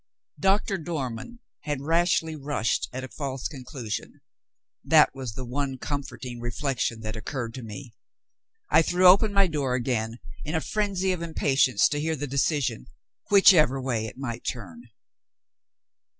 Doctor Dormann had rashly rushed at a false conclusion that was the one comforting reflection that occurred to me. I threw open my door again in a frenzy of impatience to hear the decision, whichever way it might turn.